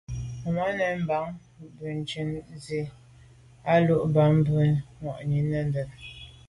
Màmá lɛ̀n mbə̄ mbǎŋ zí lú à gə́ bɑ̌m bú nǔ mwà’nì ndə̂ndə́.